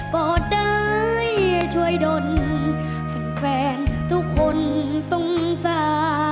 ป่อได้ช่วยดนฝันแฟนทุกคนสงสาร